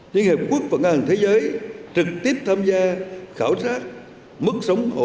những hệ quốc vận an thế giới trực tiếp tham gia khảo sát mức sống hồ